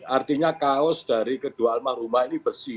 artinya kaos dari kedua almarhumah ini bersih